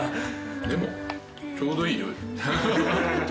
でもちょうどいい量です。